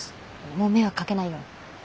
もう迷惑かけないように。